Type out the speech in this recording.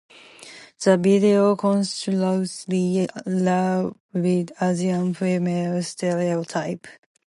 The video consciously parodies Asian female stereotypes.